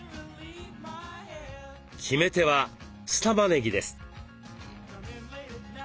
決め手は酢たまねぎです。